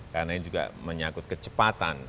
karena ini juga menyakut kecepatan